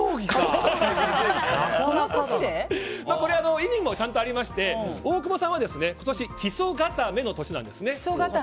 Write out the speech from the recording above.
意味もちゃんとありまして大久保さんは今年基礎固めの年なんですね。